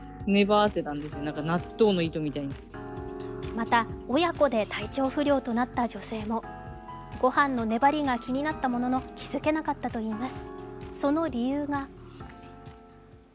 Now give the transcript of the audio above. また、親子で体調不良となった女性もごはんの粘りが気になったものの気づけなかったといいます。